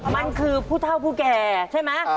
มันคือผู้เท่าผู้แก่ใช่ไหม